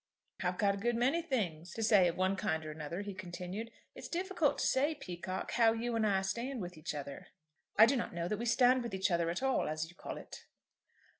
"I've a good many things to say of one kind or another," he continued. "It's difficult to say, Peacocke, how you and I stand with each other." "I do not know that we stand with each other at all, as you call it."